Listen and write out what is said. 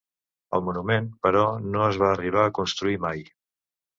El monument, però, no es va arribar a construir mai.